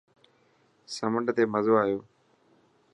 سمنڊ تي مزو آيو.